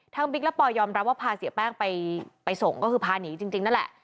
บิ๊กและปอยยอมรับว่าพาเสียแป้งไปส่งก็คือพาหนีจริงนั่นแหละ